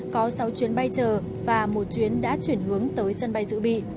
có sáu chuyến bay chờ và một chuyến đã chuyển hướng tới sân bay dự bị